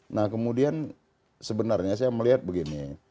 nah kemudian sebenarnya saya melihat begini